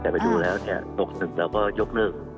แต่ไปดูแล้ว๖๑เราก็ยกเลิก